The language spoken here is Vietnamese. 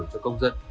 cho công dân